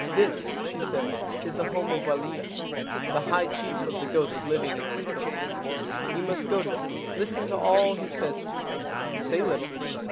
"This," she said, "is the home of Walia, the high chief of the ghosts living in this place. You must go to him. Listen to all he says to you. Say little.